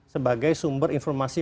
sebagai sumber informasi